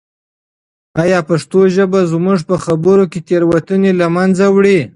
آیا پښتو ژبه زموږ په خبرو کې تېروتنې له منځه وړي؟